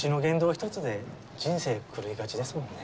１つで人生狂いがちですもんね